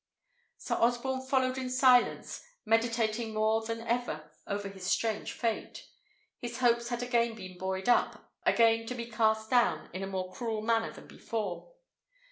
Sir Osborne followed in silence, meditating more than ever over his strange fate. His hopes had again been buoyed up, again to be cast down in a more cruel manner than before.